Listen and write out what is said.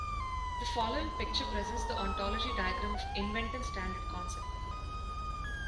The following picture presents the ontology diagram of Inventive standard concept.